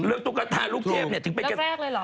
เรื่องตุ๊กตาลุกเทพถึงเป็นแบบแรกเลยหรอ